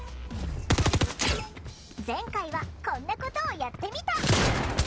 前回はこんなことをやってみた。